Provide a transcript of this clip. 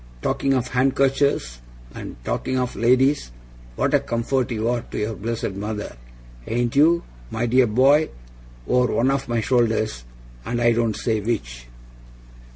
Talking of handkerchers and talking of ladies what a comfort you are to your blessed mother, ain't you, my dear boy, over one of my shoulders, and I don't say which!